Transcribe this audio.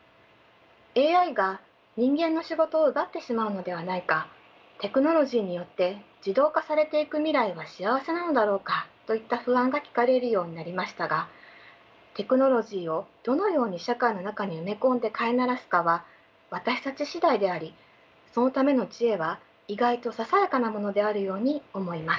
ＡＩが人間の仕事を奪ってしまうのではないかテクノロジーによって自動化されていく未来は幸せなのだろうかといった不安が聞かれるようになりましたがテクノロジーをどのように社会の中に埋め込んで飼い慣らすかは私たち次第でありそのための知恵は意外とささやかなものであるように思います。